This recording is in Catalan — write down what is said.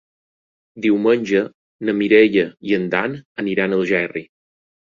Diumenge na Mireia i en Dan aniran a Algerri.